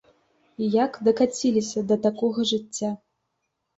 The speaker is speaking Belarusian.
Як дакаціліся да такога жыцця?